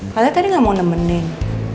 kalian tadi nggak mau nemenin